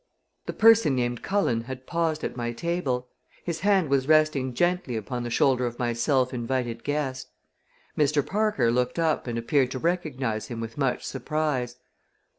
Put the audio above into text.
The person named Cullen had paused at my table. His hand was resting gently upon the shoulder of my self invited guest. Mr. Parker looked up and appeared to recognize him with much surprise.